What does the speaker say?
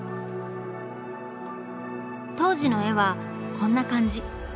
当時の絵はこんな感じ。